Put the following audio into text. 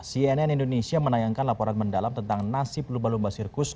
cnn indonesia menayangkan laporan mendalam tentang nasib lumba lumba sirkus